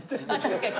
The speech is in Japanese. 確かに。